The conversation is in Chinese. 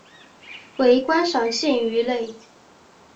为观赏性鱼类。